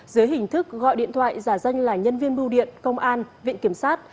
dưới hình thức gọi điện thoại giả danh là nhân viên bưu điện công an viện kiểm sát